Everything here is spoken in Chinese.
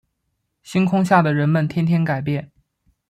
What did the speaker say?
星空下的人们天天改变